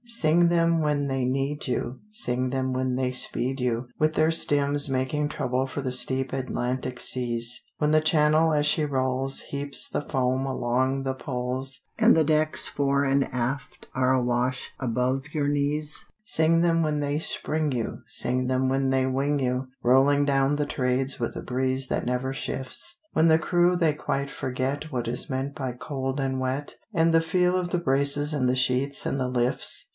Sing them when they need you, Sing them when they speed you, With their stems making trouble for the steep Atlantic seas; When the channel as she rolls Heaps the foam along the poles, And the decks fore and aft are awash above your knees. Sing them when they spring you, Sing them when they wing you, Rolling down the Trades with a breeze that never shifts; When the crew they quite forget What is meant by cold and wet, And the feel of the braces and the sheets and the lifts.